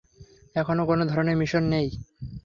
এখানে কোনো ধরনের মিশন নেই।